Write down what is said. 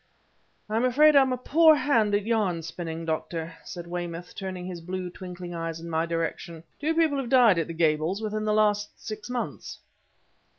"I'm afraid I'm a poor hand at yarn spinning, Doctor," said Weymouth, turning his blue, twinkling eyes in my direction. "Two people have died at the Gables within the last six months."